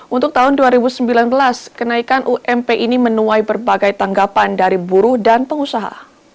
untuk tahun dua ribu sembilan belas kenaikan ump ini menuai berbagai tanggapan dari buruh dan pengusaha